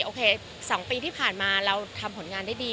โอเค๒ปีที่ผ่านมาเราทำผลงานได้ดี